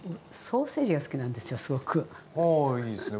あいいですね